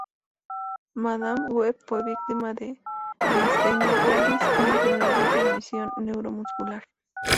Madame Web fue víctima de "miastenia gravis", una enfermedad de transmisión neuromuscular.